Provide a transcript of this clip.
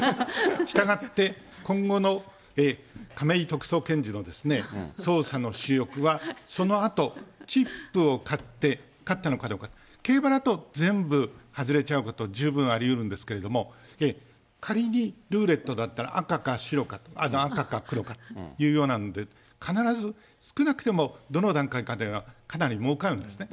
したがって、今後の亀井特捜検事の捜査の主翼は、そのあと、チップを買って、勝ったのかどうか、競馬だと、全部外れちゃうこと、十分ありうるんですけれども、仮にルーレットだったら、赤か白か、赤か黒かというようなので、必ず少なくともどの段階かでは、かなりもうかるんですね。